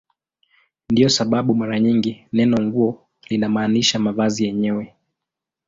Ndiyo sababu mara nyingi neno "nguo" linamaanisha mavazi yenyewe.